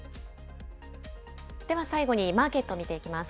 では最後にマーケットを見ていきます。